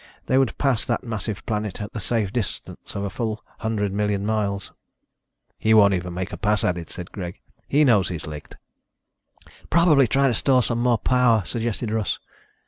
They would pass that massive planet at the safe distance of a full hundred million miles. "He won't even make a pass at it," said Greg. "He knows he's licked." "Probably trying to store some more power," suggested Russ.